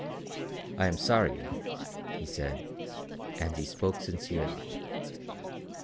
"I am sorry," he said, and he spoke sincerely.